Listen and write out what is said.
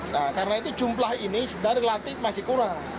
nah karena itu jumlah ini sebenarnya relatif masih kurang